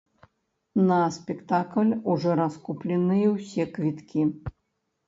На спектакль ужо раскупленыя ўсе квіткі.